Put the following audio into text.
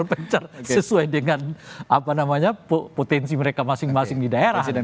pencer sesuai dengan potensi mereka masing masing di daerah